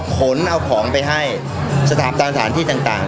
ขนเอาของไปให้สถานตามสถานที่ต่าง